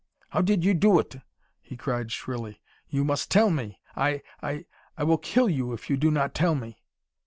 "How did you do it?" he cried shrilly. "You must tell me! I I I will kill you if you do not tell me!"